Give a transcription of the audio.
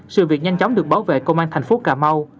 sự việc nhanh chóng được bảo vệ công an thành phố cà mau